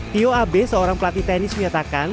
tio abe seorang pelatih tenis menyatakan